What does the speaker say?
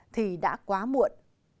thì đã quá muộn